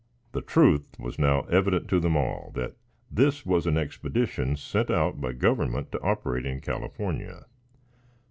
The truth was now evident to them all that this was an expedition sent out by government to operate in California.